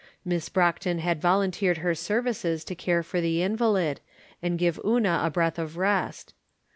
Miss Brockton had volunteered her services to care for the invalid, and give Una a breath of rest.